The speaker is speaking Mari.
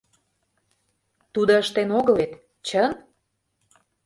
Тудо ыштен огыл вет, чын?